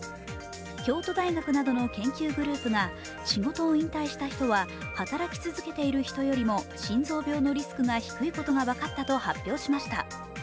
京都大学などの研究グループが仕事を引退した人は働き続けている人よりも心臓病のリスクが低いことが分かったと発表しました。